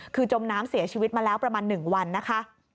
คือจมน้ำเสียชีวิตมาแล้วประมาณ๑วันนะคะ